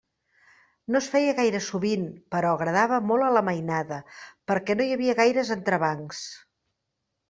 No es feia gaire sovint, però agradava molt a la mainada, perquè no hi havia gaires entrebancs.